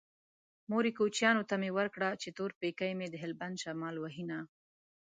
مورې کوچيانو ته مې ورکړه چې تور پېکی مې د هلبند شمال وهينه